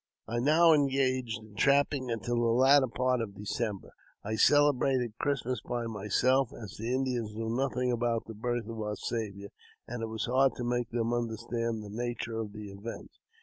I now engaged in trapping until the latter part of December. I celebrated Christmas by myself, as the Indians knew nothing about the birth of our Saviour, and it was hard to make them understand the nature of the event.